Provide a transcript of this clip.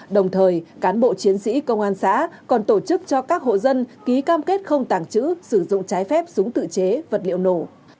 đồng thời cán bộ chiến sĩ công an xã còn tổ chức cho các hộ dân ký cam kết không tàng trữ sử dụng trái phép súng tự chế vật liệu nổ